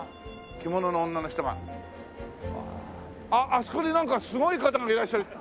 あそこになんかすごい方がいらっしゃる！